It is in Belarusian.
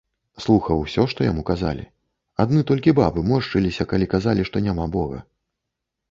Слухаў усё, што яму казалі, адны толькі бабы моршчыліся, калі казалі, што няма бога.